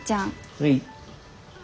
はい？